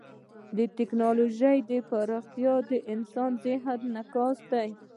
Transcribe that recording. د ټیکنالوژۍ پراختیا د انسان د ذهن انعکاس دی.